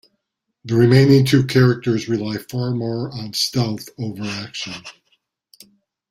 The remaining two characters rely far more on stealth over action.